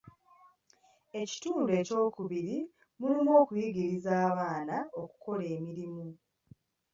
Ekitundu ekyokubiri mulimu okuyigiriza abaana okukola emirimu.